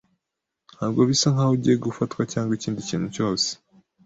Ntabwo bisa nkaho ugiye gufatwa cyangwa ikindi kintu cyose.